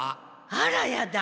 あらやだ。